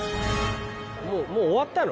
もう終わったの？